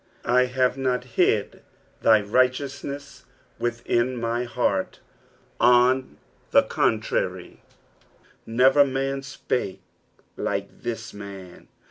/ Aape not hid thy righteoutnas vitMa my heart.'" On the contrary, " Never mHa spake hke this man."